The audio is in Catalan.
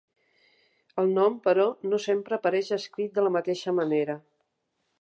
El nom però no sempre apareix escrit de la mateixa manera.